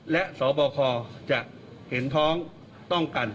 และสบคจะเห็นพ้องต้องกัน